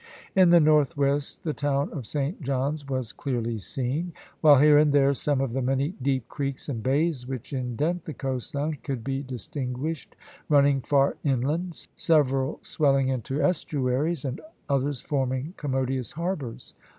In the north west the town of Saint John's was clearly seen; while here and there, some of the many deep creeks and bays which indent the coastline could be distinguished running far inland, several swelling into estuaries and others forming commodious harbours.